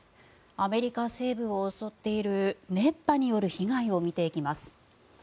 アメリカ西部を襲っている熱波による被害を見ていきます。